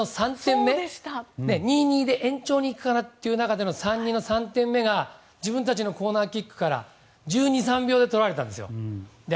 ２−２で延長に行くかという中で３−２の３点目が自分たちのコーナーキックから１２１３秒でとられたんですよ。